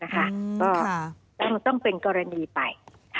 ก็ต้องเป็นกรณีไป